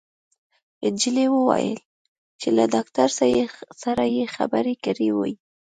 انجلۍ وويل چې له داکتر سره يې خبرې کړې وې